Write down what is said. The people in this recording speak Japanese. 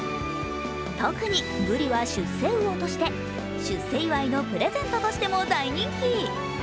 特に、ぶりは出世魚として出世祝いのプレゼントとしても大人気。